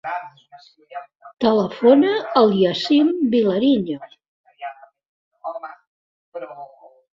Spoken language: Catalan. Telefona al Yassin Vilariño.